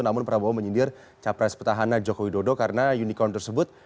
namun prabowo menyindir capres petahana joko widodo karena unicorn tersebut